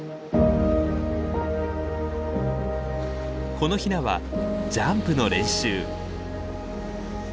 このヒナはジャンプの練習。